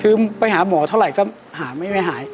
คือไปหาหมอเท่าไหร่ก็หาไม่หาย